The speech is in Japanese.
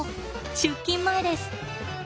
出勤前です。